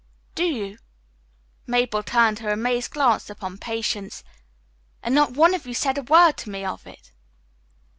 "Do you?" Mabel turned her amazed glance upon Patience. "And not one of you said a word to me of it."